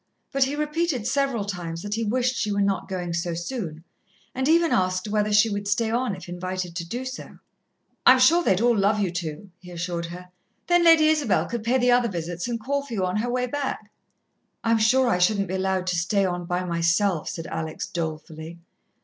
But he repeated several times that he wished she were not going so soon, and even asked whether she would stay on if invited to do so. "I'm sure they'd all love you to," he assured her. "Then Lady Isabel could pay the other visits and call for you on her way back." "I'm sure I shouldn't be allowed to stay on by myself," said Alex dolefully.